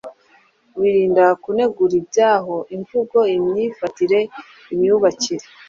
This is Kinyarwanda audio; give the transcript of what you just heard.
wirinda kunegura ibyaho: imvugo, imyifatire, imyubakire,